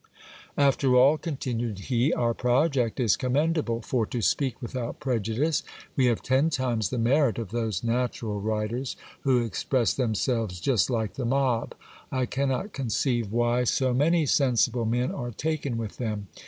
After all, continued he, our project is commendable; for, to speak without prejudice, we have ten times the merit of those natural writers, who express themselves just like the mob. I cannot conceive why so many sensible men are taken with them.